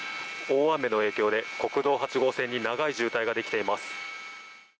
大雨の影響で国道８号線に長い渋滞ができています。